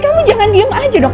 kamu jangan diem aja dok